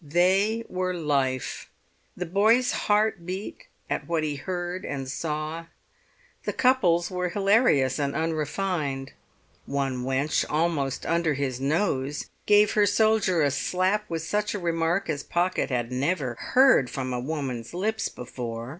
They were Life. The boy's heart beat at what he heard and saw. The couples were hilarious and unrefined. One wench, almost under his nose, gave her soldier a slap with such a remark as Pocket had never heard from a woman's lips before.